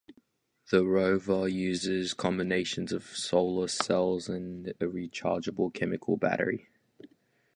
The rover uses combination of solar cells and a rechargeable chemical battery.